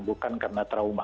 bukan karena trauma